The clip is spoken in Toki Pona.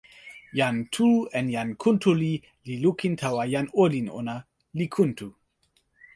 jan Tu en jan Kuntuli li lukin tawa jan olin ona, li kuntu.